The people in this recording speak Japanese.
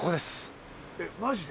えっマジで？